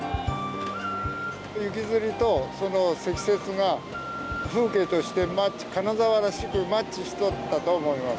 雪つりと積雪が風景として金沢らしくマッチしていたと思います。